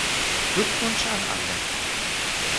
Glückwunsch an alle.